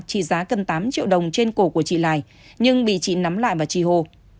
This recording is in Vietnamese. trị giá cân tám triệu đồng trên cổ của chị lài nhưng bị chị nắm lại và trì hồ